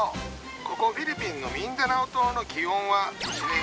ここフィリピンのミンダナオ島の気温は１年中３０度くらい。